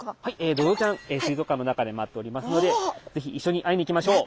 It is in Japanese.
ドジョウちゃん水族館の中で待っておりますので是非一緒に会いに行きましょう。